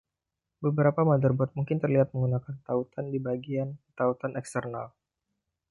Beberapa motherboard mungkin terlihat menggunakan tautan di bagian tautan eksternal.